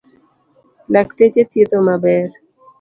Lakteche thietho maber.